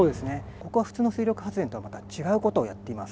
ここは普通の水力発電とはまた違う事をやっています。